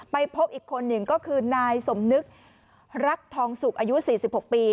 พบอีกคนหนึ่งก็คือนายสมนึกรักทองสุกอายุ๔๖ปี